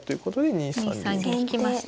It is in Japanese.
２三銀引きました。